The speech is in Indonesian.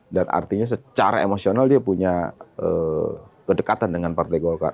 dan artinya secara emosional dia punya kedekatan dengan partai golkar